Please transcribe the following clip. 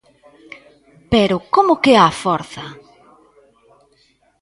Pero, ¡como que á forza!